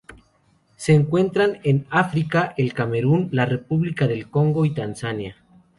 Se encuentran en África: el Camerún, la República del Congo y Tanzania.